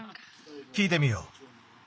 きいてみよう。